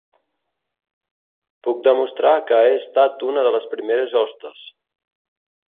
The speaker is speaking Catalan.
Puc demostrar que he estat una de les primeres hostes.